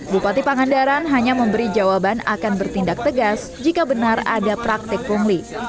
bupati pangandaran hanya memberi jawaban akan bertindak tegas jika benar ada praktik pungli